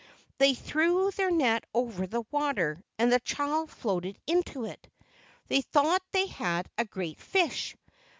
They threw their net over the water and the child floated into it. They thought they had a great fish.